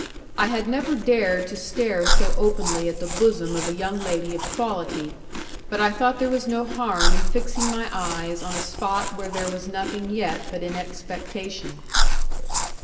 I had never dared to stare so openly at the bosom of a young lady of quality, but I thought there was no harm in fixing my eyes on a spot where there was nothing yet but in expectation.